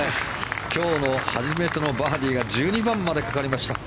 今日の初めてのバーディーが１２番までかかりました。